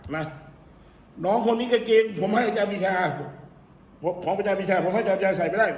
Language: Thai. หนองคนนี้เก่งของประเภทใส่ไปจะได้